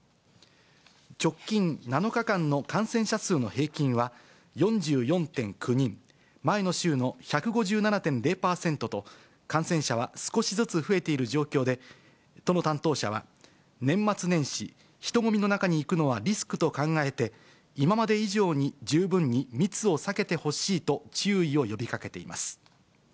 直近７日間の感染者数の平均は４４．９人、前の週の１５７．０％と、感染者は少しずつ増えている状況で、都の担当者は、年末年始、人混みの中に行くのはリスクと考えて、今まで以上に十分に密を避けてほしいと注意を呼びかけています。